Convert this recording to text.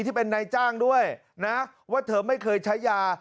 ที่เป็นนายจ้างด้วยนะว่าเธอไม่เคยใช้ยา